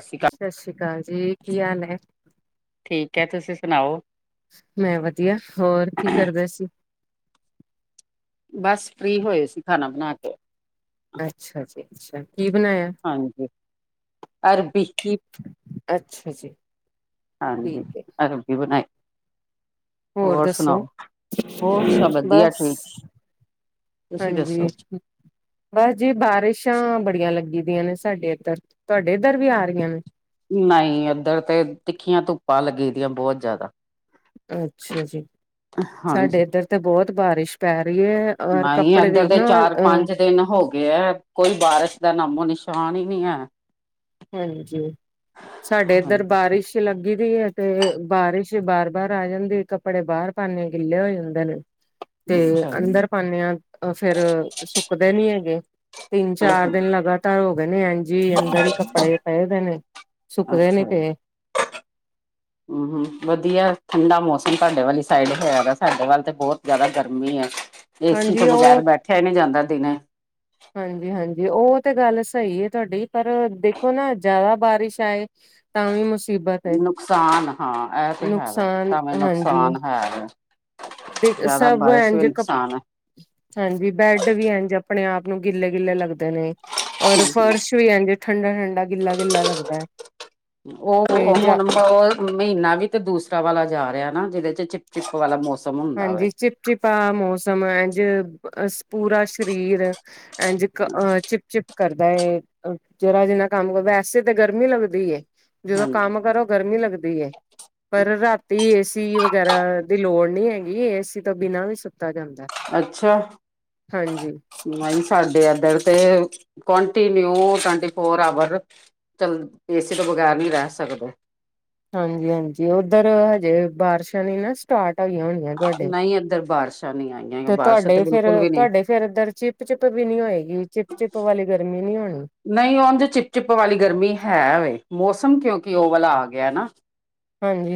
ਸ਼੍ਰੀ ਅਕਾਲ ਸਤਿ ਸ੍ਰੀ ਅਕਾਲ ਜੀ ਕੀ ਹਾਲ ਹੈ। ਠੀਕ ਹੈ, ਤੁਸੀਂ ਸੁਣਾਓ? ਮੈਂ ਵਧੀਆ ਹੋਰ ਕੀ ਕਰਦਾ ਸੀ। ਬਸ ਫ੍ਰਰੀ ਹੋਏ ਸੀ ਖਾਣਾ ਬਣਾ ਕੇ। ਅੱਛਾ ਜੀ ਅੱਛਾ ਕੀ ਬਣਾਇਆ ਹਾਂਜੀ ਅਰਬੀ ਕੀ। ਅੱਛਾ ਜੀ। ਹਾਂਜੀ ਠੀਕ ਹੈ ਅਰਬੀ ਬਣਾਈ। ਹੋਰ ਦੱਸੋ ਹੋਰ ਸਭ ਵਧੀਆ ਬਸ। ਠੀਕ ਤੁਸੀਂ ਹਾਂਜੀ। ਦੱਸੋ ਬਸ ਜੀ ਬਾਰਿਸ਼ਾਂ ਬੜੀਆਂ ਲੱਗੀ ਦੀਆਂ ਨੇ ਸਾਡੇ ਇੱਧਰ ਤੁਹਾਡੇ ਇੱਧਰ ਵੀ ਆ ਰਹੀਆਂ ਨੇ। ਨਹੀਂ ਉੱਧਰ ਤੇ ਤਿੱਖੀਆਂ ਧੁੱਪਾਂ ਲੱਗੀ ਦੀਆਂ ਬਹੁਤ ਜ਼ਿਆਦਾ। ਅੱਛਾ ਜੀ, ਹਾਂਜੀ ਸਾਡੇ ਇੱਧਰ ਤਾਂ ਬਹੁਤ ਬਾਰਿਸ਼ ਪੈ ਰਹੀ ਹੈ। ਔਰ ਨਹੀਂ ਕੱਪੜੇ ਏਧਰ ਦੇ ਦੇਖਣਾ ਚਾਰ ਅ -ਪੰਜ ਦਿਨ ਹੋ ਗਏ ਹੈ, ਕੋਈ ਬਾਰਿਸ਼ ਦਾ ਨਾਮੋ ਨਿਸ਼ਾਨ ਹੀ ਨਹੀਂ ਹੈ। ਹਾਂਜੀ, ਸਾਡੇ ਇੱਧਰ ਹਾਂਜੀ ਬਾਰਿਸ਼ ਲੱਗੀ ਦੀ ਹੈ, ਤੇ ਬਾਰਿਸ਼ ਬਾਰ, ਬਾਰ ਆ ਜਾਂਦੀ ਕੱਪੜੇ ਬਾਹਰ ਪਾਉੇ ਗਿੱਲੇ ਹੋ ਜਾਂਦੇ ਨੇ। [inaudible] ਤੇ ਜੀ ਅੰਦਰ ਪਾਦੇ ਹਾ ਫੇਰ ਸੁੱਕਦੇ ਨੀ ਹੈਗੇ। ਤਿੰਨ ਚਾਰ ਦਿਨ ਲਗਾਤਾਰ ਹੋ ਗਏ ਨੇ ਐਂਜ ਹੀ ਅੰਦਰ ਹੀ। ਕੱਪੜੇ ਪਏ ਦੇ ਨੇ ਸੁੱਕਦੇ ਨੀ ਪਏ। [inaudible] ਹਮ, ਹਮ ਵਧੀਆ ਠੰਡਾ ਮੌਸਮ ਤੁਹਾਡੇ ਵਾਲੀ ਸਾਈਡ ਹੈਇਆ ਦਾ। ਸਾਡੇ ਵੱਲ ਤੇ ਬਹੁਤ ਜ਼ਿਆਦਾ ਗਰਮੀ ਆ ਏਸੀ ਹਾਂਜੀ ਤੋਂ ਉਹ ਬਗੈਰ ਬੈਠਿਆ ਹੀ ਨਹੀਂ ਜਾਂਦਾ ਦਿਨੇ। ਹਾਂਜੀ, ਹਾਂਜੀ ਉਹ ਤੇ ਗੱਲ ਸਹੀ ਹੈ, ਤੁਹਾਡੀ ਪਰ ਦੇਖੋ ਨਾ ਜ਼ਿਆਦਾ ਬਾਰਿਸ਼ ਆਏ। ਤਾਂ ਵੀ ਮੁਸੀਬਤ ਹੈ ਨੁਕਸਾਨ ਹਾਂ ਨੁਕਸਾਨ ਹਾਂਜੀ‌ ਹਾਂ। ਦੇ ਸਭ ਐ ਜੇਕ। ਨੁਕਸਾਨ ਹੈ। ਹਾਂਜੀ ਬੈਡ ਵੀ ਐ ਜੇ ਆਪਣੇ ਆਪ ਨੂੰ ਗਿੱਲੇ ਗਿੱਲੇ ਲੱਗਦੇ ਨੇ ਔਰ ਫਰਸ਼। ਵੀ ਆਹਦੇ ਠੰਡਾ ਠੰਡਾ ਗਿੱਲਾ ਗਿੱਲਾ ਲੱਗਦਾ ਹੈ। ਉਹ ਤੇ ਜਾ ਹੁਣ। ਉਹ ਮਹੀਨਾ ਵੀ ਤੇ ਦੂਸਰਾ ਵਾਲਾ ਜਾ ਰਿਹਾ ਨਾ ਜਿਹਦੇ ਚ ਚਿਪ ਚਿਪ ਵਾਲਾ ਮੌਸਮ। ਹੁੰਦਾ ਵੇ ਹਾਂਜੀ ਚਿਪ ਚਿਪ ਆ ਮੌਸਮ ਅਜ। ਅ ਪੂਰਾ ਸਰੀਰ ਐਂ ਚਿ। ਚਿਪ ਕਰਦਾ ਹੈ ਜਿਹੜਾ ਜਿੰਨਾ ਕੰਮ ਕਰਦਾ ਵੈਸੇ ਤੇ ਗਰਮੀ ਲੱਗਦੀ। ਜਦੋਂ ਹਾਂਜੀ ਕੰਮ ਹਾਂਜੀ ਕਰੋ ਗਰਮੀ ਲੱਗਦੀ ਹੈ। ਪਰ ਰਾਤੀ ਏਸੀ ਵਗੈਰਾ ਦੀ ਲੋੜ ਨਹੀਂ ਹੈਗੀ ਏਸੀ ਤੋਂ ਬਿਨਾ ਵੀ ਸੁੱਤਾ ਜਾਂਦਾ। ਅੱਛਾ। ਹਾਂਜੀ। ਨਹੀਂ ਸਾਡੇ ਇਧਰ ਤੇ ਕੰਟੀਨਿਊ ਟਵੰਟੀ ਫੋਰ ਆਵਰ। ਚੱਲ ਏ ਸੀ ਤੋਂ ਬਗੈਰ ਨਹੀਂ ਰਹਿ ਸਕਦੇ। ਹਾਂਜੀ ਹਾਂਜੀ ਉੱਧਰ ਹਜੇ ਬਾਰਿਸ਼ਾਂ ਨੀ ਨਾ ਸਟਾਰਟ ਆਈਆਂ ਹੁਣ। ਤੁਹਾਡੇ ਨਹੀਂ ਇੱਧਰ ਬਾਰਿਸ਼ਾਂ ਨਹੀਂ ਆਈਆਂ ਤੇ ਬਾਰਿਸ਼ਾਂ ਤੁਹਾਡੇ ਫਿਰ ਬਿਲਕੁਲ ਵੀ ਨਹੀਂ ਤੁਹਾਡੇ। ਫਿਰ ਇਧਰ ਚਿਪ ਚਿਪ ਵੀ ਨ ਹੋਏਗੀ ਚਿਪ ਚਿਪ ਵਾਲੀ ਗਰਮੀ ਨੀ ਹੋਣੀ। ਨਹੀਂ ਉਂਝ ਚਿਪ ਚਿਪ ਵਾਲੀ ਗਰਮੀ ਹੈ ਵੈ ਮੌਸਮ ਕਿਉਂਕਿ ਉਹ ਵਾਲਾ ਆ ਗਿਆ ਨਾ।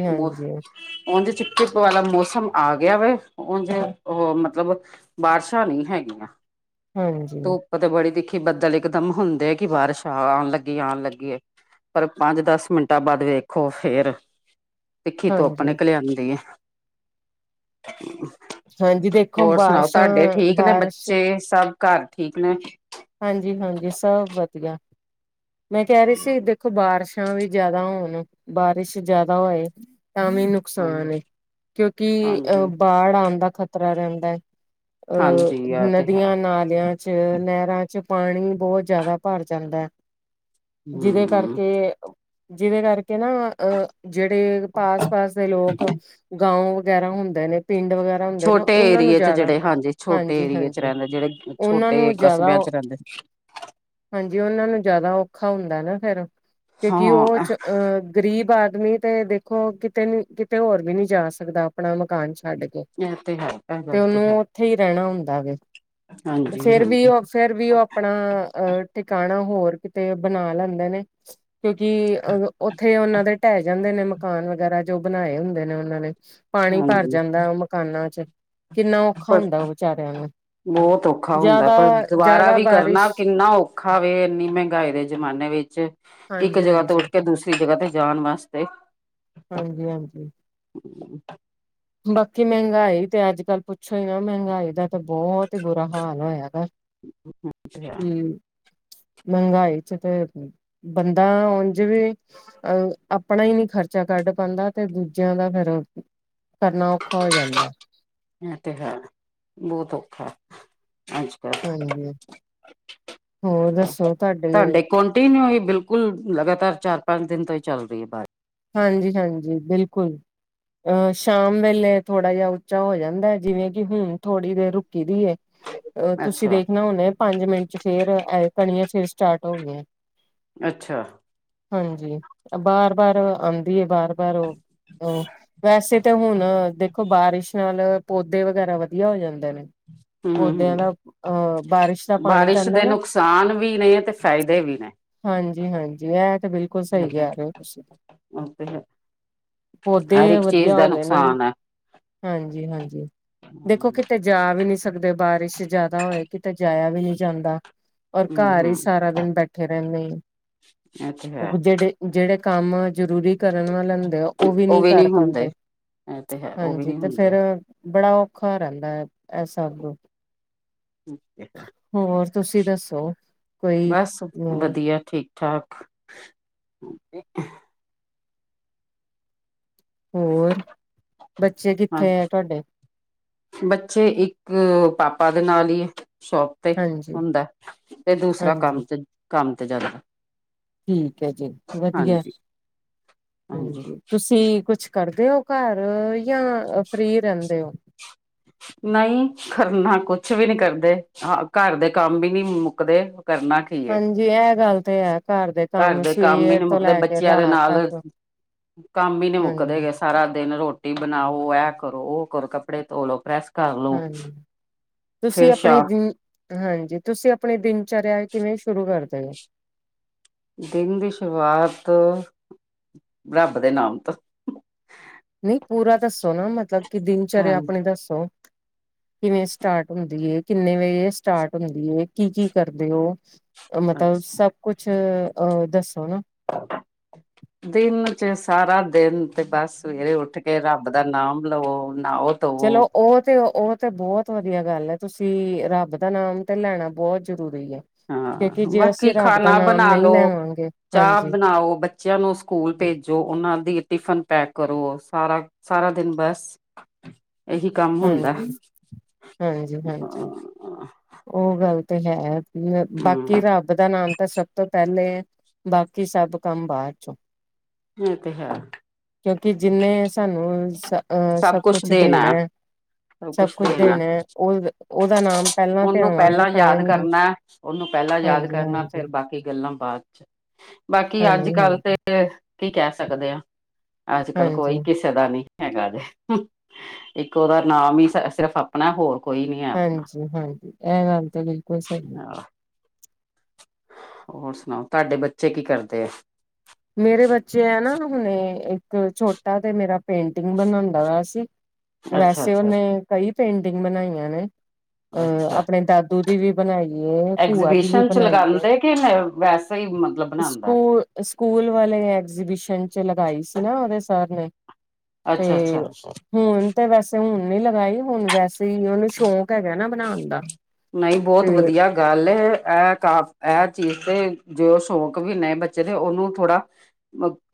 [unintelligible] ਉੰਝ ਚਿੱਪ ਵਾਲਾ ਮੌਸਮ ਆ ਗਿਆ ਵਾ ਉੰਝ ਉਹ ਮਤਲਬ। ਬਾਰਿਸ਼ਾਂ ਨਹੀਂ ਹੈਗੀਆਂ ਹਾਂਜੀ-ਹਾਂਜੀ। ਧੁੱਪ ਤੇ ਬੜੀ ਤਿਖੀ ਬੱਦਲ ਇਕਦਮ ਹੁੰਦਾ। ਕਿ ਬਾਰਿਸ਼ ਆ ਆਉਣ ਲੱਗੀ ਆਉਣ ਲੱਗੀ। ਪਰ ਪੰਜ ਦਸ ਮਿੰਟਾਂ ਬਾਅਦ ਵੇਖੋ ਫੇਰ। ਤਿੱਖੀ ਧੁੱਪ ਨਿੱਕਲ ਆਉਂਦੀ ਹਾਂਜੀ ਦੇਖੋ ਹੋਰ ਸੁਣਾਓ ਬਾਰਿਸ਼ਾਂ ਤੁਹਾਡੇ ਠੀਕ ਨੇ ਬਾਰਿਸ਼ ਬੱਚੇ ਸਭ ਘਰ ਠੀਕ ਨੇ। ਹਾਂਜੀ ਹਾਂਜੀ ਸਭ ਵਧੀਆ ਮੈਂ ਕਹਿ ਰਹੀ ਸੀ। ਬਾਰਿਸ਼ਾਂ ਵੀ ਜਿਆਦਾ ਹੋਣ ਬਾਰਿਸ਼ ਜਿਆਦਾ ਹੋਏ। ਤਾਂ ਵੀ ਹਾਂਜੀ ਨੁਕਸਾਨ ਹੈ ਕਿਉਂਕਿ ਅਹ ਹਾਂਜੀ ਬਾੜ ਆਉਣ ਦਾ ਖ਼ਤਰਾ ਰਹਿੰਦਾ ਹੈ। ਅਹ ਹਾਂਜੀ ਆ ਤੇ ਹੈ ਨਦੀਆਂ ਨਾਲਿਆਂ ਚ ਨਹਿਰਾਂ। ਵਿੱਚ ਪਾਣੀ ਬਹੁਤ ਜਿਆਦਾ ਭਰ ਜਾਂਦਾ ਹੈ ਜਿਹਦੇ ਹਮ ਕਰਕੇ ਜਿਹਦੇ ਕਰਕੇ ਨਾ ਅਹ ਜਿਹੜੇ ਪਾਸ ਪਾਸ ਦੇ ਲੋਕ ਗਾਓ ਵਗੈਰਾ ਹੁੰਦੇ ਨੇ ਪਿੰਡ ਵਗੈਰਾ ਹੁੰਦੇ ਨੇ ਛੋਟੇ ਉਹਨਾਂ ਨੂੰ ਏਰੀਏ ਚ ਜ਼ਿਆਦਾ ਜਿਹੜੇ ਹਾਂਜੀ ਛੋਟੇ ਏਰੀਏ ਚ ਹਾਂਜੀ-ਹਾਂਜੀ ਰਹਿੰਦੇ ਜਿਹੜੇ ਉਹਨਾਂ ਛੋਟੇ ਨੂੰ ਜ਼ਿਆਦਾ ਕਸਬਿਆਂ ਚ ਰਹਿੰਦੇ ਹਾਂਜੀ ਉਹਨਾਂ ਨੂੰ ਜ਼ਿਆਦਾ ਔਖਾ ਹੁੰਦਾ ਨਾ ਫੇਰ ਕਿਉਂਕਿ ਹਾਂ ਉਹ ਚ ਅਹ ਗ਼ਰੀਬ ਆਦਮੀ ਤੇ ਦੇਖੋ ਕਿਤੇ ਨੀ ਕਿਤੇ ਹੋਰ ਵੀ ਨੀ ਜਾ ਸਕਦਾ ਆਪਣਾ ਮਕਾਨ ਛੱਡ ਕੇ। ਇਹ ਤੇ ਹੈ ਇਹ ਤੇ ਗੱਲ ਹੈ ਉਹਨੂੰ ਉੱਥੇ ਹੀ ਰਹਿਣਾ ਹੁੰਦਾ ਵੈ ਤੇ ਹਾਂਜੀ ਫੇਰ ਵੀ ਹਾਂਜੀ ਉਹ ਫੇਰ ਵੀ ਉਹ ਆਪਣਾ ਅਹ ਟਿਕਾਣਾ ਹੋਰ ਕਿਤੇ ਬਣਾ ਲੈਂਦੇ ਨੇ। ਕਿਉਂਕਿ ਅ ਉੱਥੇ ਉਹਨਾਂ ਦੇ ਢਹਿ ਜਾਂਦੇ ਨੇ ਮਕਾਨ ਵਗੈਰਾ ਜੋ ਬਣਾਏ ਹੁੰਦੇ ਨੇ ਉਹਨਾਂ ਨੇ। ਪਾਣੀ ਭਰ ਹਾਂਜੀ ਜਾਂਦਾ ਮਕਾਨਾਂ ਚ। ਕਿੰਨਾ ਔਖਾ ਪਰ ਹੁੰਦਾ ਉਹ ਵਿਚਾਰਿਆਂ ਨੂੰ ਬਹੁਤ ਔਖਾ ਹੁੰਦਾ ਜਿਆਦਾ ਪਰ ਦੁਬਾਰਾ ਵੀ ਕਰਨਾ ਕਿੰਨਾ ਔਖਾ ਵੇ ਇੰਨੀ ਮਹਿੰਗਾਈ ਦੇ ਜ਼ਮਾਨੇ ਵਿੱਚ। ਇੱਕ ਹਾਂਜੀ ਜਗ੍ਹਾ ਤੋਂ ਹਾਂਜੀ ਉੱਠ ਕੇ ਦੂਸਰੀ ਜਗ੍ਹਾ ਤੇ ਜਾਣ ਵਾਸਤੇ। ਹਾਂਜੀ ਹਾਂਜੀ। ਹਮ। ਬਾਕੀ ਮਹਿੰਗਾਈ ਤੇ ਅੱਜ ਕੱਲ ਪੁੱਛੋ ਹੀ ਨਾ ਮਹਿੰਗਾਈ ਦਾ ਤਾਂ ਬਹੁਤ ਹੀ ਬੁਰਾ ਹਾਲ ਹੋਇਆ ਗਾ ਹਮ ਮੰਗਾਈ ਚ ਤਾਂ। ਬੰਦਾ ਉੰਝ ਵੀ ਅਹ ਆਪਣਾ ਹੀ ਨੀ ਖਰਚਾ ਕੱਢ ਪਾਉਂਦਾ ਤੇ ਦੂਜਿਆਂ ਦਾ ਫੇਰ ਕਰਨਾ ਔਖਾ ਹੋ ਜਾਂਦਾ ਇਹ ਤੇ ਹੈ ਬਹੁਤ ਔਖਾ ਅੱਜ ਕੱਲ ਹਾਂਜੀ ਹੋਰ ਦੱਸੋ ਤੁਹਾਡੇ ਕੰਟੀਨਿਊ ਹੀ ਬਿਲਕੁਲ ਲਗਾਤਾਰ ਚਾਰ ਪੰਜ ਦਿਨ ਤੋਂ ਹੀ ਚੱਲ ਰਹੀ ਹੈ ਬ ਹਾਂਜੀ ਹਾਂਜੀ ਬਿਲਕੁਲ ਅਹ ਸ਼ਾਮ ਵੇਲੇ ਥੋੜਾ ਜਿਹਾ ਉੱਚਾ ਹੋ ਜਾਂਦਾ ਹੈ ਜਿਵੇਂ ਕਿ ਹੁਣ ਥੋੜੀ ਦੇਰ ਰੁਕੀ ਦੀ ਅ ਤੁਸੀਂ ਅੱਛਾ ਦੇਖਣਾ ਹੁਣੇ ਪੰਜ ਮਿੰਟ ਚ ਫੇਰ ਕਣੀਆਂ ਫਿਰ ਸਟਾਰਟ ਹੋ ਗਈਆਂ ਅੱਛਾ ਹਾਂਜੀ ਬਾਰ ਬਾਰ ਆਉਂਦੀ ਬਾਰ ਪਰ ਓ, ਓਹ, ਵੈਸੇ ਤੇ, ਹੁਣ ਦੇਖੋ ਬਾਰਿਸ਼ ਨਾਲ, ਪੌਦੇ ਵਗੈਰਾ ਵਧੀਆ ਹੋ ਜਾਂਦੇ ਨੇ। ਹਮ ਹਮ ਪੌਦਿਆਂ ਦਾ, ਅਹ ਬਾਰਿਸ਼ ਦਾ ਪਾਣੀ ਬਾਰਿਸ਼ ਪੈਂਦਾ ਦੇ ਨਾ। ਨੁਕਸਾਨ ਵੀ ਨੇ ਤੇ ਫਾਇਦੇ ਵੀ ਨੇ। ਹਾਂਜੀ-ਹਾਂਜੀ, ਐਤੇ ਬਿਲਕੁਲ ਸਹੀ ਕਹਿ ਰਹੇ ਹੋ ਤੁਸੀ। ਓ, ਤੇ ਹੈ। ਪੌਦੇ ਵਧੀਆ ਹੋਗਏ ਨੇ, ਨੁਕਸਾਨ ਹੈ। ਹਾਂਜੀ-ਹਾਂਜੀ। ਦੇਖੋ ਹੂੰ ਕਿਤੇ ਜਾ ਵੀ ਨਹੀਂ ਸਕਦੇ, ਬਾਰਿਸ਼ ਜ਼ਿਆਦਾ ਹੋਏ ਕਿਤੇ ਜਾਇਆ ਵੀ ਨਹੀਂ ਜਾਂਦਾ। ਔਰ ਘਰ ਹੀ ਹੂੰ ਸਾਰਾ ਦਿਨ ਬੈਠੇ ਰਹਿੰਨੇ। ਇਹ ਤੇ ਹੈ ਜਿਹੜੇ, ਜਿਹੜੇ ਕੰਮ ਜਰੂਰੀ ਕਰਨ ਵਾਲੇ ਹੁੰਦੇ ਆ, ਉਹ ਵੀ ਨਹੀਂ ਕਰ ਪਾਂਦੇ, ਇਹ ਤੇ ਹੈ ਉਹ ਵੀ ਹਾਂਜੀ ਨੀ ਤੇ ਫਿਰ ਹੁੰਦੇ। ਬੜਾ ਔਖਾ ਰਹਿੰਦਾ ਹੈ, ਐ, ਸਭ। ਠੀਕ ਏ। ਹੋਰ, ਤੁਸੀ ਦੱਸੋ? ਕੋਈ ਬਸ, ਹਮ ਵਧੀਆ, ਠੀਕ-ਠਾਕ। ਹੋਰ, ਬੱਚੇ ਕਿੱਥੇ ਹਾਂਜੀ ਐ ਤੁਹਾਡੇ? ਬੱਚੇ ਇੱਕ, ਪਾਪਾ ਦੇ ਨਾਲ ਹੀ ਏ, ਸ਼ੋਪ ਤੇ ਹਾਂਜੀ ਹੁੰਦਾ। ਤੇ ਦੂਸਰਾ ਹਾਂਜੀ ਕੰਮ ਤੇ, ਕੰਮ ਤੇ ਜਾਂਦਾ। ਠੀਕ ਐ ਜੀ, ਵਧੀਆ। ਹਾਂਜੀ। ਹਾਂਜੀ, ਤੁਸੀਂ ਕੁਛ ਕਰਦੇ ਹੋ? ਘਰ ਯਾਂ, ਫ੍ਰੀ ਰਹਿੰਦੇ ਹੋ? ਹ [inaudible] ਨਹੀਂ ਕਰਨਾ ਕੁਛ ਵੀ ਨਹੀਂ ਕਰਦੇ, ਘਰ ਦੇ ਕੰਮ ਵੀ ਨਹੀਂ ਮੁੱਕਦੇ। ਕਰਨਾ ਕੀ ਏ, ਹਾਂਜੀ ਇਹ ਗੱਲ ਤੇ ਹੈ ਦੇ ਘਰ ਦੇ ਕੰਮ ਵੀ ਸਵੇਰ ਨਹੀਂ ਤੋਂ ਮੁੱਕਦੇ, ਲੈ ਕੇ ਬੱਚਿਆਂ ਦੇ ਰਾਤ ਨਾਲ ਤੱਕ ਕੰਮ ਹੀ ਨੀ ਮੁੱਕਦੇ ਹਾਂਜੀ ਹੈਗੇ। ਸਾਰਾ ਦਿਨ ਰ੍ਹੋਟੀ ਬਣਾਓ, ਐ ਕਰੋ, ਉਹ ਕਰੋ, ਕੱਪੜੇ ਧੋਲੋ, ਪ੍ਰੈਸ ਕਰ ਲੋ ਹੂੰ, ਤੁਸੀਂ ਫਿਰ ਆਪਣੀ ਸ਼ਾਮ ਹਾਂਜੀ, ਤੁਸੀਂ ਆਪਣੀ ਦਿਨਚਰਿਆ ਕਿਵੇਂ ਸ਼ੁਰੂ ਕਰਦੇ ਓ? ਦਿਨ ਦੀ ਸ਼ੁਰੂਆਤ, ਰੱਬ ਦੇ ਨਾਮ ਤੋਂ। ਨਹੀਂ ਪੂਰਾ ਦੱਸੋ ਨਾ, ਮਤਲਬ ਕਿ ਦਿਨਚਰਿਆ ਆਪਣੀ ਦੱਸੋ? ਕਿਵੇਂ ਸਟਾਰਟ ਹੁੰਦੀ ਏ, ਕਿੰਨੇ ਵਜੇ ਸਟਾਰਟ ਹੁੰਦੀ ਏ, ਕੀ-ਕੀ ਕਰਦੇ ਓ? ਮਤਲਬ ਹਾਂਜੀ ਸਭ ਕੁਛ, ਅਹ ਦੱਸੋ ਨਾ? ਹ [inaudible] ਦਿਨ'ਚ ਸਾਰਾ ਦਿਨ ਤੇ ਬਸ ਸਵੇਰੇ ਉੱਠਕੇ ਰੱਬ ਦਾ ਨਾਮ ਲਵੋ, ਨ੍ਹਾਓ ਚਲੋ, ਉਹ ਤੇ ਉਹ ਤੇ ਬਹੁਤ ਵਧੀਆ ਗੱਲ ਐ, ਤੁਸੀਂ ਰੱਬ ਦਾ ਨਾਮ ਤੇ ਲੈਣਾ ਬਹੁਤ ਜਰੂਰੀ ਐ। ਹਾਂ। ਬਾਕੀ ਖਾਣਾ ਨਹੀਂ ਬਣਾਲੋ, ਲੈਵਾਂਗੇ ਚਾਹ ਹਾਂਜੀ ਬਣਾਓ, ਬੱ ਬੱਚਿਆਂ ਨੂੰ ਸਕੂਲ ਭੇਜੋ, ਉਹਨਾਂ ਦੀ ਟਿਫਨ ਪੈਕ ਕਰੋ, ਸਾਰਾ-ਸਾਰਾ ਦਿਨ ਬਸ ਇਹੀ ਕੰਮ ਹੁੰਦਾ। ਹਾਂਜੀ ਹਾਂਜੀ ਹਾਂਜੀ ਉਹ ਗੱਲ ਤੇ ਹੈ। ਹਮ ਬਾਕੀ ਰੱਬ ਬ ਦਾ ਨਾਮ ਤਾਂ ਸਭ ਤੋਂ ਪਹਿਲੇ, ਬਾਕੀ ਸਭ ਕੰਮ ਬਾਅਦ'ਚੋਂ। ਇਹ ਤੇ ਹੈ। ਕਿਉਂਕਿ ਜਿੰਨੇ ਸਾਨੂੰ ਸ, ਅਹ ਸਭ ਕੁਛ ਦੇਣਾ ਸਭ ਕੁਛ ਦੇਣਾ ਐ, ਉਹ, ਉਹਦਾ ਨਾਮ ਪਹਿਲਾਂ ਤੇ ਉਹਨੂੰ ਆਵਾਂਗੇ ਪਹਿਲਾਂ ਤਾਂ ਯਾਦ ਹੀ ਕਰਨਾ, ਉਹਨੂੰ ਪਹਿਲਾਂ ਯਾਦ ਹਾਂਜੀ ਕਰਨਾ। ਹਾਂਜੀ ਫਿਰ ਬਾਕੀ ਗੱਲਾਂ ਬਾਅਦ'ਚ, ਬਾਕੀ ਹਾਂਜੀ ਹਾਂਜੀ ਅੱਜ-ਕੱਲ ਤੇ, ਕੀ ਕਹਿ ਸਕਦੇ ਆਂ। ਅੱਜ-ਕੱਲ ਕੋਈ, ਹਾਂਜੀ ਕਿਸ ਕਿਸੇ ਦਾ ਨੀ, ਹੈਗਾ ਜੇ। ਇੱਕ ਉਹਦਾ ਨਾਮ ਹੀ ਸਿਰਫ ਆਪਣਾ ਹੋਰ ਕੋਈ ਨੀ ਹੈ ਆਪਣਾ ਹਾਂਜੀ-ਹਾਂਜੀ, ਐ ਗੱਲ ਤੇ ਬਿਲਕੁਲ ਸਹੀ ਏ। ਹੋਰ ਸੁਣਾਓ, ਤੁਹਾਡੇ ਬੱਚੇ ਕੀ ਕਰਦੇ ਐ? ਮੇਰੇ ਬੱਚੇ ਆ ਨਾ ਹੁਣੇ, ਇੱਕ ਛੋਟਾ ਤੇ ਮੇਰਾ ਪੇਂਟਿੰਗ ਬਣਾਂਦਾ ਵਾ ਸੀ। ਅੱਛਾ ਵੈਸੇ ਅੱਛਾ ਉਹਨੇ ਕਈ ਪੇਂਟਿੰਗ ਬਣਾਈਆਂ ਨੇ, ਅਹ ਅੱਛਾ ਆਪਣੇ ਦਾਦ ਦੂ ਦੀ ਵੀ ਬਣਾਈ ਏ, ਭੂਆ ਦੀ ਵੀ ਐਗਜੀਬਿਸ਼ਨ ਚ ਬਣਾਈ ਏ। ਲਗਾਉਂਦੇ ਕਿ ਵੈਸੇ ਹੀ ਮਤਲਬ ਬਣਾਉਂਦਾ ਸਕੂਲ ਸਕੂਲ ਵਾਲੇ ਐਗਜੀਬਿਸ਼ਨ ਚ ਲਗਾਈ ਸੀ ਨਾ ਉਹਦੇ ਸਰ ਨੇ ਤੇ ਅੱਛਾ ਅੱਛਾ ਹੁਣ ਤੇ ਵੈਸੇ ਹੁਣ ਨੀ ਲਗਾਈ ਹੁਣ ਵੈਸੇ ਹੀ ਉਹਨੂੰ ਸ਼ੌਕ। ਹੈ ਨਾ ਬਣਾਉਣ ਦਾ ਨਹੀਂ ਤੇ ਬਹੁਤ ਵਧੀਆ। ਗੱਲ ਇਹ ਕਾਫ ਇਹ ਚੀਜ਼ ਤੇ ਜੋ ਸ਼ੌਂਕ ਵੀ ਨੇ ਬੱਚੇ ਦੇ ਉਹਨੂੰ ਥੋੜਾ।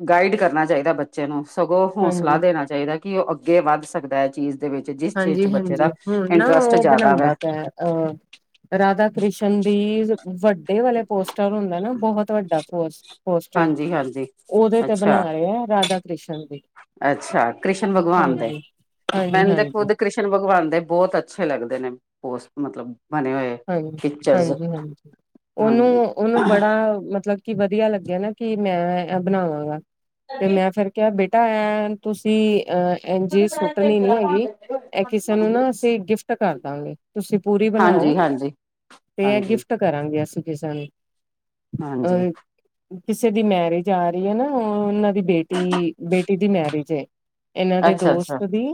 ਗਾਈਡ ਕਰਨਾ ਚਾਹੀਦਾ ਬੱਚਾ ਬੱਚੇ ਨੂੰ ਸਗੋਂ ਹੌਸਲਾ ਹਾਂਜੀ ਦੇਣਾ ਚਾਹੀਦਾ ਕਿ ਉਹ ਅੱਗੇ ਵੱਧ ਸਕਦਾ ਇਹ ਚੀਜ਼ ਦੇ ਵਿੱਚ ਜਿਸ ਚੀਜ਼ ਹਾਂਜੀ ਚ ਬੱਚੇ ਦਾ ਹਾਂਜੀ ਇੰਟਰਸਟ ਜ਼ਿਆਦਾ ਵ ਅ ਰਾਧਾ ਕ੍ਰਿਸ਼ਨ ਦੀ ਵੱਡੇ ਵਾਲੇ ਪੋਸਟਰ ਹੁੰਦਾ ਨਾ ਬਹੁਤ ਵੱਡਾ ਪੋਸਟਰ। ਪੋਸਟਰ ਹਾਂਜੀ ਹਾਂਜੀ ਉਹਦੇ ਤੇ ਬਣਾ ਅੱਛਾ ਰਹਾ ਹੈ ਰਾਧਾ ਕ੍ਰਿਸ਼ਨ ਦੀ ਅੱਛਾ ਕ੍ਰਿਸ਼ਨ ਭਗਵਾਨ ਦੇ ਹਾਂਜੀ ਹਾਂਜੀ ਕਿੰਦੇ ਹਾਂਜੀ ਖੁਦ ਕ੍ਰਿਸ਼ਨ ਭਗਵਾਨ ਦੇ ਬਹੁਤ ਅੱਛੇ ਲੱਗਦੇ ਨੇ ਪੋਸਟ ਮਤਲਬ ਬਣੇ ਹੋਏ। ਹਾਂਜੀ ਪਿਕਚਰਸ ਹਾਂਜੀ ਹਾਂਜੀ ਉਹਨੂੰ ਹਾਂਜੀ ਉਹਨੂੰ ਬੜਾ ਮਤਲਬ ਕੀ ਵਧੀਆ ਲੱਗਿਆ ਨਾ ਕਿ ਮੈਂ ਇਹ ਬਣਾਵਾਂਗਾ ਤੇ ਮੈਂ ਫਿਰ ਕਿਆ ਬੇਟਾ ਐ ਤੁਸੀਂ ਅਹ ਜੇ ਸੁੱਟਣੀ ਨੀ ਹੈਗੀ ਇਹ ਕਿਸੇ ਨੂੰ ਨਾ ਅਸੀਂ ਗਿਫਟ ਕਰ ਦਾਂਗੇ। ਤੁਸੀਂ ਪੂਰੀ ਬਣਾਓ। ਹਾਂਜੀ ਹਾਂਜੀ ਤੇ ਇਹ ਹਾਂਜੀ ਗਿਫਟ ਕਰਾਂਗੇ ਅਸੀਂ ਕਿਸੇ ਨੂੰ ਹਾਂਜੀ ਅਹ ਕਿਸੇ ਦੀ ਮੈਰਿਜ ਆ ਰਹੀ ਹੈ ਨਾ ਉਹਨਾਂ ਦੀ ਬੇਟੀ ਬੇਟੀ ਦੀ ਮੈਰਿਜ ਹੈ। ਇਹਨਾਂ ਦੇ ਅੱਛਾ-ਅੱਛਾ, ਦੋਸਤ ਦੀ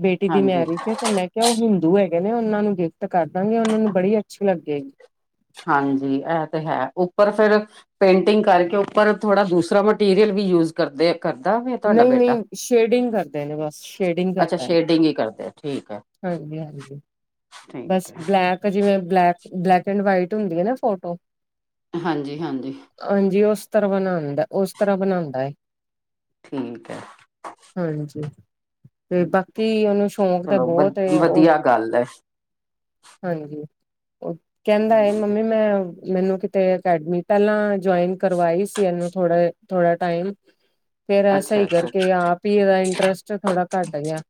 ਬੇਟੀ ਦੀ ਹਾਂਜੀ, ਮੇਰੀ ਏ ਤੇ ਮੈਂ ਕਿਹਾ ਉਹ ਹਿੰਦੂ ਹੈਗੇ ਨੇ ਉਹਨਾਂ ਨੂੰ ਗਿਫਟ ਕਰ ਦਾਂਗੇ ਉਹਨਾਂ ਨੂੰ ਬੜੀ ਅੱਛੀ ਲੱਗੇਗੀ। ਹਾਂਜੀ ਇਹ ਤੇ ਹੈ ਉੱਪਰ ਫਿਰ ਪੇਂਟਿੰਗ ਕਰਕੇ ਉੱਪਰ ਥੋੜਾ ਦੂਸਰਾ ਮਟੀਰੀਅਲ ਵੀ ਯੂਜ ਕਰਦੇ ਆ। ਕਰਦਾ ਫੇ ਤੁਹਾਡਾ ਨਹੀਂ ਬੇਟਾ ਨਹੀਂ ਸ਼ੇਡਿੰਗ ਕਰਦੇ ਨੇ ਬਸ ਸ਼ੇਡਿੰਗ ਅੱਛਾ ਕਰਤਾ ਹੈ ਸ਼ੇਡਿੰਗ ਹੀ ਕਰਦੇ ਠੀਕ ਹੈ। ਹਾਂਜੀ ਹਾਂਜੀ, ਠੀਕ ਬਸ ਹੈ, ਬਲੈਕ ਜਿਵੇਂ ਬਲੈਕ ਬਲੈਕ ਐਂਡ ਵਾਈਟ ਹੁੰਦੀ ਹੈ ਨਾ ਫੋਟੋ। ਹਾਂਜੀ ਹਾਂਜੀ ਹਾਂਜੀ ਉਸ ਤਰ੍ਹਾਂ ਬਣਾਉਂਦਾ ਉਸ ਤਰ੍ਹਾਂ ਬਣਾਉਂਦਾ ਠੀਕ ਹੈ ਹਾਂਜੀ ਤੇ ਬਾਕੀ ਉਹਨੂੰ ਸ਼ੌਕ ਤਾਂ ਚਲੋ ਵ ਬਹੁਤ ਉਹ ਵਧੀਆ ਗੱਲ ਹਾਂਜੀ ਕਹਿੰਦਾ ਹੈ ਮੰਮੀ ਮੈਂ। ਮੈਨੂੰ ਕਿਤੇ ਅਕੈਡਮੀ ਪਹਿਲਾਂ ਜਇਨ ਕਰਵਾਈ ਸੀ ਇਹਨੂੰ ਥੋੜ ਥੋੜਾ ਟਾਈਮ। ਫੇਿਰ ਸਹੀ ਅੱਛਾ-ਅੱਛਾ, ਕਰਕੇ ਆਪ ਹੀ ਇਹਦਾ ਇੰਟਰਸਟ ਥੋੜਾ ਘੱਟ ਗਿਆ।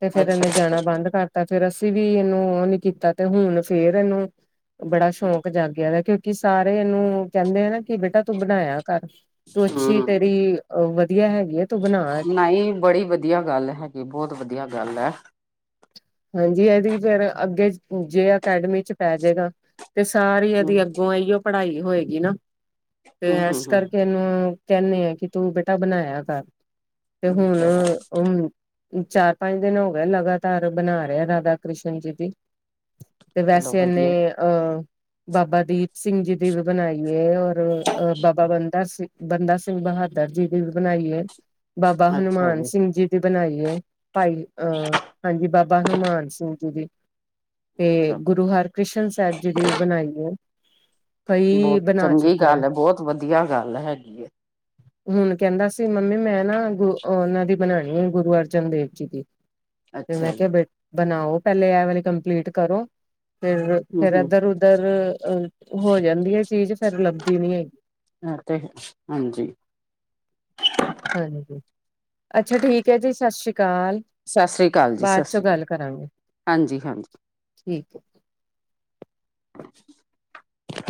ਤੇ ਫੇਿਰ ਇਹਨੇ ਅੱਛਾ ਜਾਣਾ ਬੰਦ ਕਰਤਾ ਫੇਿਰ ਅਸੀਂ ਵੀ ਇਹਨੂੰ ਉਹ ਨੀ ਕੀਤਾ ਤੇ ਹੁਣ ਫੇਰ ਇਹਨੂੰ ਬੜਾ ਸ਼ੌਂਕ ਜਾਗਿਆ ਦਾ ਕਿਉਂਕਿ ਸਾਰੇ ਇਹਨੂੰ ਕਹਿੰਦੇ ਆ ਨਾ ਕਿ ਬੇਟਾ ਤੂੰ ਬਣਾਇਆ ਕਰ। ਤੂੰ ਅੱਛੀ ਹੂੰ, ਤੇਰੀ ਅਹ ਵਧੀਆ ਹੈਗੀ ਹੈ। ਤੂੰ ਬਣਾ ਨਹੀਂ ਬੜੀ ਵਧੀਆ ਗੱਲ ਹੈਗੀ ਬਹੁਤ ਵਧੀਆ ਗੱਲ ਹੈ। ਹਾਂਜੀ ਇਹਦੀ ਫੇਿਰ ਅੱਗੇ ਜੇ ਅਕੈਡਮੀ ਚ ਪੈ ਜਾੇਗਾ। ਤੇ ਸਾਰੀ ਹੂੰ, ਇਹਦੀ ਅੱਗੋਂ ਇਹੀਓ ਪੜ੍ਹਾਈ ਹੋਏਗੀ ਨਾ ਤੇ ਇਸ ਹੂੰ-ਹੂੰ-ਹੂੰ ਕਰਕੇ। ਮੈਨੂੰ ਕਹਿੰਦੇ ਆ ਕਿ ਤੂੰ ਬੇਟਾ ਬਣਾਇਆ ਕਰ ਤੇ ਇਹ ਹੈ ਹੁਣ ਚਾਰ ਪੰਜ ਦਿਨ ਹੋ ਗਿਆਏ ਲਗਾਤਾਰ ਬਣਾ ਰਿਹਾ ਰਾਧਾ ਕ੍ਰਿਸ਼ਨ ਜੀ ਦੀ। ਤੇ ਚਲੋ ਵੈਸੇ ਵਧੀਆ ਇਹਨੇ ਅਹ ਬਾਬਾ ਦੀਪ ਸਿੰਘ ਜੀ ਦੀ ਵੀ ਬਣਾਈ ਹੈ। ਅ ਬਾਬਾ ਬੰਦਾ ਸਿੰਘ ਬੰਦਾ ਸਿੰਘ ਬਹਾਦਰ ਜੀ ਦੀ ਵੀ ਬਣਾਈ ਹੈ। ਬਾਬਾ ਹਨੂੰਮਾਨ ਸਿੰਘ ਜੀ ਦੀ ਬਣਾਈ ਹੈ ਭਾਈ ਅਹ ਹਾਂਜੀ ਬਾਬਾ ਹਨੂੰਮਾਨ ਸਿੰਘ ਜੀ ਦੇ। ਤੇ ਗੁਰੂ ਹਰ ਕ੍ਰਿਸ਼ਨ ਸਾਹਿਬ ਜੀ ਦੀ ਬਣਾਈ ਹੈ। ਕਈ ਬਹੁਤ ਬਣਾ ਚੰਗੀ ਚੁੱਕਿਆ ਗੱਲ ਹੈ ਬਹੁਤ ਵਧੀਆ ਗੱਲ ਹੈਗੀ। ਹੁਣ ਕਹਿੰਦਾ ਸੀ ਮੰਮੀ ਮੈਂ ਨਾ ਗੁ ਔਹਨਾਂ ਦੀ ਬਣਾਉਣੀ ਹੈ ਗੁਰੂ ਅਰਜਨ ਦੇਵ ਜੀ ਦੀ, ਫੇਰ ਮੈਂ ਅੱਛਾ ਜੀ। ਕਿਹਾ ਬੇ ਬਣਾਓ ਪਹਿਲੇ ਐ ਵਾਲੀ ਕੰਪਲੀਟ ਕਰੋ, ਫੇਰ ਫੇਰ ਹੂੰ-ਹੂੰ ਇਧਰ ਉ ਪਰ ਐ ਹੋ ਜਾਂਦੀ ਹੈ, ਚੀਜ਼ ਫੇਰ ਲੱਭਦੀ ਨੀ ਹੈਗੀ। [inaudible] ਹਾਂਜੀ। ਹਾਂਜੀ, ਅੱਛਾ ਠੀਕ ਹੈ ਜੀ, ਸਸਸ਼੍ਰੀ ਕਾਲ। ਸਸਸ਼੍ਰੀ ਕਾਲ ਜੀ ਸਸਸ਼੍ਰੀ ਕਾਲ, ਹਾਂਜੀ -ਹਾਂਜੀ ਠੀਕ ਐ।